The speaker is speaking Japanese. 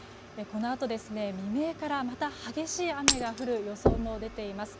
このあと未明からまた激しい雨が降る予想も出ています。